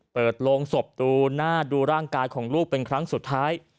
เปิดโรงศพดูหน้าดูร่างกายของลูกเป็นครั้งสุดท้าย